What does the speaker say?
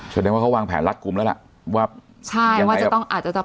แสดงว่าเขาวางแผนรัดกลุ่มแล้วล่ะว่าใช่ว่าจะต้องอาจจะจับ